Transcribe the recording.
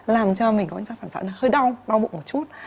làm cho mình có những trạng phản xã hơi đau đau bụng một chút